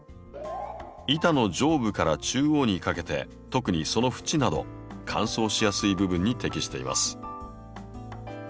板の上部から中央にかけて特にその縁など乾燥しやすい部分に適しています。